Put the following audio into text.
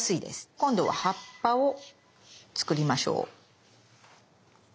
今度は葉っぱを作りましょう。